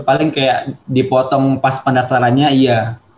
paling kayak dipotong pas pendaftarannya iya